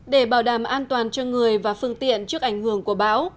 để bảo đảm an toàn cho người và phương tiện trước ảnh hưởng của bão